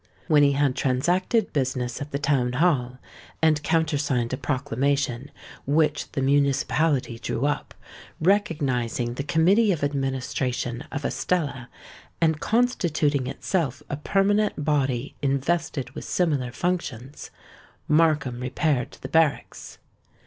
When he had transacted business at the Town Hall, and countersigned a proclamation which the municipality drew up, recognising the Committee of Administration of Estella, and constituting itself a permanent body invested with similar functions,—Markham repaired to the barracks.